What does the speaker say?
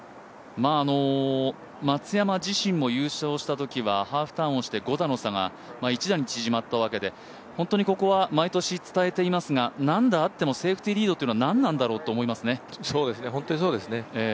松山自身も優勝したときはハーフターンをして５打の差が１打に縮まったわけで本当にここは毎年伝えていますが、何打あってもセーフティーリードというのは何だと思いますね。